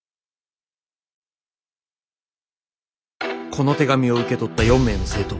「この手紙を受け取った４名の生徒」。